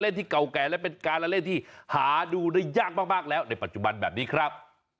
ที่เก่าแก่และเป็นการละเล่นที่หาดูได้ยากมากแล้วในปัจจุบันแบบนี้ครับ